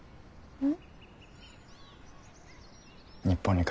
うん。